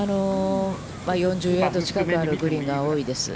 ４０ヤード近くあるグリーンが多いです。